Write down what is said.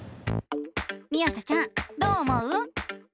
みあさちゃんどう思う？